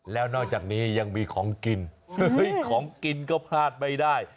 แล้วนอกจากนี้ยังมีของกินของกินก็พลาดไม่ได้